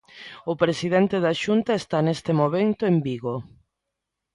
O presidente da Xunta está neste momento en Vigo.